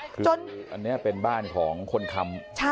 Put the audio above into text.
คืออันนี้เป็นบ้านของคนค้ำ